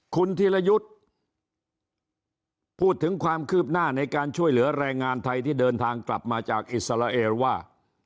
คุณธีรยุทธ์พูดถึงความคืบหน้าในการช่วยเหลือแรงงานไทยที่เดินทางกลับมาจากอิสราเอลว่า